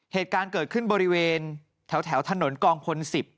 เหตุการณ์เกิดขึ้นบริเวณแถวถนนกองพล๑๐